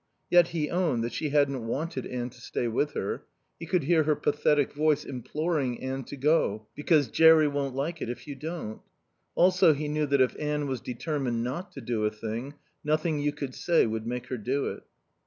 Yet he owned that she hadn't wanted Anne to stay with her. He could hear her pathetic voice imploring Anne to go "because Jerry won't like it if you don't." Also he knew that if Anne was determined not to do a thing nothing you could say would make her do it.